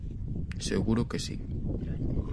Seguro que si.